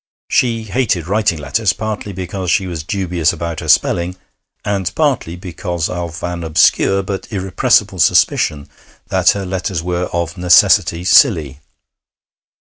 She hated writing letters, partly because she was dubious about her spelling, and partly because of an obscure but irrepressible suspicion that her letters were of necessity silly.